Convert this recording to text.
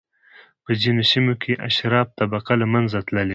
په ځینو سیمو کې اشراف طبقه له منځه تللې ده.